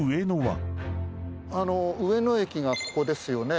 上野駅がここですよね。